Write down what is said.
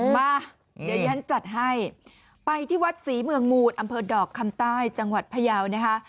มาเดี๋ยวฉันจัดให้ไปที่วัดศรีเมืองมูลอำเภอดอกคำใต้จังหวัดพยาวนะคะ